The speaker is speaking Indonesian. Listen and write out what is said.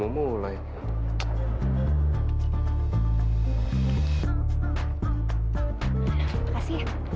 mereka sudah cukup pas